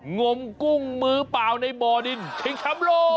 งมกุ้งมือเปล่าในบ่อดินชิงแชมป์โลก